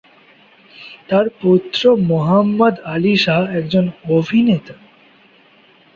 তার পুত্র মোহাম্মদ আলী শাহ একজন অভিনেতা।